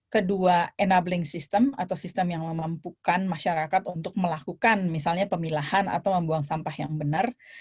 kedua enabling system atau sistem yang memampukan masyarakat untuk melakukan misalnya pemilahan atau membuang sampah yang benar